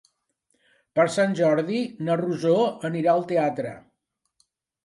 Per Sant Jordi na Rosó anirà al teatre.